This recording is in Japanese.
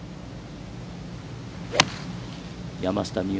山下美夢